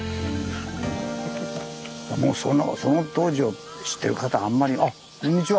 もうその当時を知ってる方あんまりあっこんにちは。